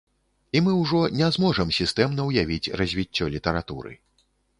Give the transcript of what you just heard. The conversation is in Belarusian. І мы ўжо не зможам сістэмна ўявіць развіццё літаратуры.